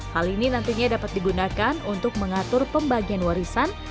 hal ini nantinya dapat digunakan untuk mengatur pembagian warisan